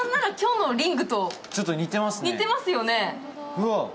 今日のリングと似てますよね。